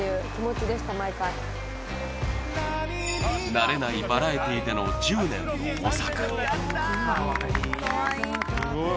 慣れないバラエティでの１０年の模索